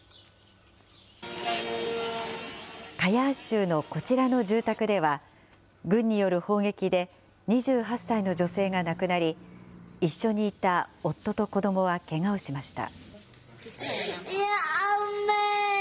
カヤー州のこちらの住宅では、軍による砲撃で２８歳の女性が亡くなり、一緒にいた夫と子どもはけがをしました。